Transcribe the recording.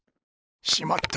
しまった！